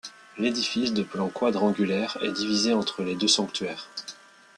L'édifice de plan quadrangulaire, est divisé entre les deux sanctuaires.